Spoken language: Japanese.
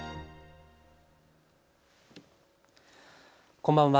こんばんは。